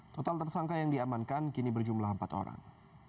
total tersangka yang diamankan kini berjumlah empat orang